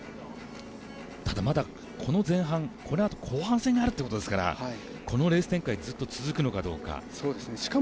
ただ、まだこの前半このあと後半戦に入るということですからこのレース展開ずっと続くのかどうか。